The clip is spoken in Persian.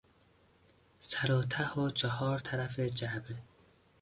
سر و ته و چهار طرف جعبه